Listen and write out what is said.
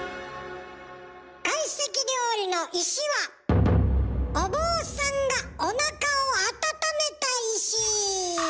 懐石料理の「石」はお坊さんがおなかを温めた石。